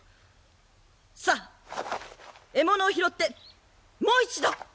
さっ得物を拾ってもう一度！